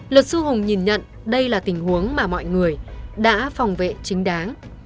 luật sư hùng nhìn nhận đây là tình huống mà mọi người đã phòng vệ chính đáng